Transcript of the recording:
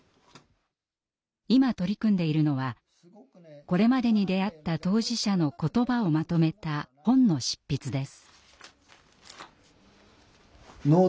今取り組んでいるのはこれまでに出会った当事者の言葉をまとめた本の執筆です。